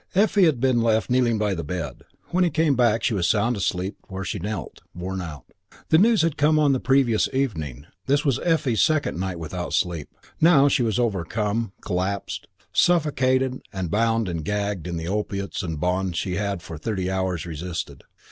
Effie had been left kneeling by the bed. When he came back she was sound asleep where she knelt, worn out. The news had come on the previous evening. This was Effie's second night without sleep. Now she was overcome; collapsed; suffocated and bound and gagged in the opiates and bonds she had for thirty hours resisted.